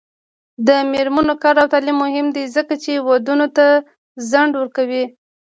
د میرمنو کار او تعلیم مهم دی ځکه چې ودونو ته ځنډ ورکوي.